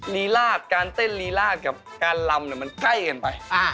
รีลาดการเต้นลีลาดกับการลำมันใกล้กันไป